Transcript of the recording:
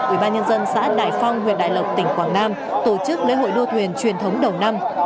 ubnd xã đại phong huyện đại lộc tỉnh quảng nam tổ chức lễ hội đua thuyền truyền thống đầu năm